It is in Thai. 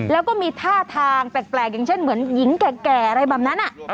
แล้วก็มีท่าทางแปลกอย่างเช่นเหมือนหญิงแก่อะไรแบบนั้น